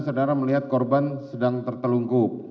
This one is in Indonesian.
saudara melihat korban sedang tertelungkup